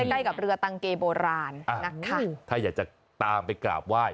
ใกล้กับเรือตังเกโบราณนะคะถ้าอยากจะตามไปกราบไหว้